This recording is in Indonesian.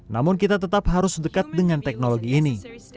namun kita tetap harus dekat dengan teknologi ini